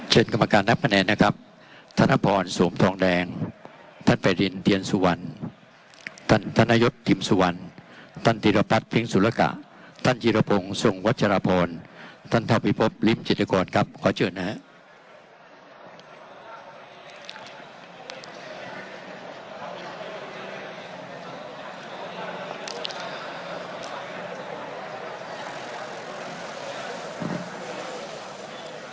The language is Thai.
กรรมการนับคะแนนนะครับธนพรโสมทองแดงท่านไปรินเทียนสุวรรณท่านธนยศพิมสุวรรณท่านธีรพัฒน์พิ้งสุรกะท่านจิรพงศ์ทรงวัชรพรท่านเท่าพิพบริมจิตกรครับขอเชิญนะครับ